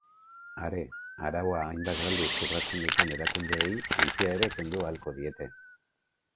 Are, araua hainbat aldiz urratzen duten erakundeei ontzia ere kendu ahalko diete.